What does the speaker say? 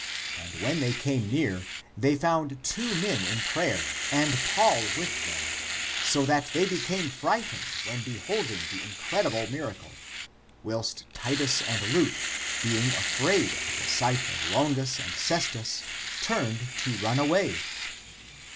And when they came near, they found two men in prayer and Paul with them, so that they became frightened when beholding the in credible miracle, whilst Titus and Luke, being afraid at the sight of Longus and Cestus, turned to run away.